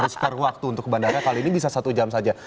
terlalu banyak waktu untuk ke bandara kali ini bisa satu jam saja